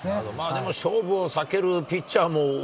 でも勝負をさけるピッチャー